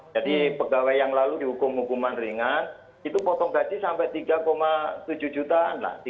jadi pegawai yang lalu dihukum hukuman ringan itu potong gaji sampai rp tiga tujuh juta